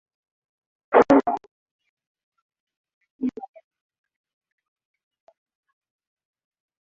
Mungu aliwaambia hivi wana wa Israeli mapema sana hata kabla hawajafika katika Mlima Sinai